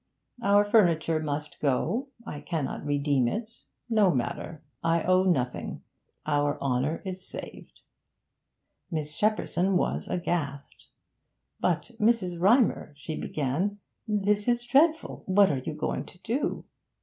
Our furniture must go; I cannot redeem it; no matter. I owe nothing; our honour is saved!' Miss Shepperson was aghast. 'But, Mrs. Rymer,' she began, 'this is dreadful! What are you going to do?'